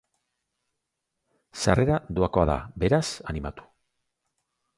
Sarrera doakoa da, beraz animatu!